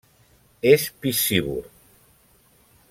És piscívor.